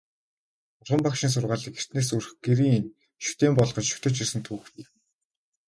Бурхан Багшийн сургаалыг эртнээс өрх гэрийн шүтээн болгож шүтэж ирсэн түүх бий.